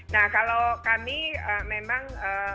nah kalau kami memang